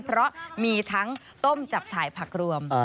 เพราะมีทั้งต้มจับฉายผักรวม